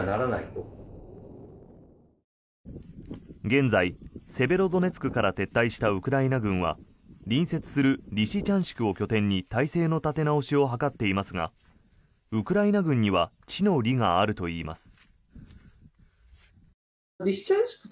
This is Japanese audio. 現在、セベロドネツクから撤退したウクライナ軍は隣接するリシチャンシクを拠点に態勢の立て直しを図っていますがウクライナ軍には地の利があるといいます。